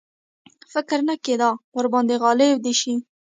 فکر نه کېدی ورباندي غالب دي شي.